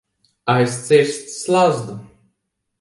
Aizcirst slazdu.